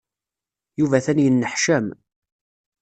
Yuba atan yenneḥcam.